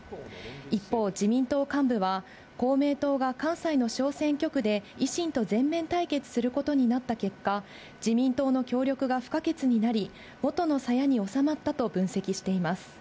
一方、自民党幹部は、公明党が関西の小選挙区で維新と全面対決することになった結果、自民党の協力が不可欠になり、元のさやに納まったと分析しています。